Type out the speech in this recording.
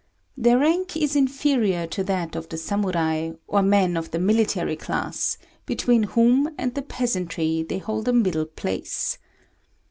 Their rank is inferior to that of the Samurai, or men of the military class, between whom and the peasantry they hold a middle place.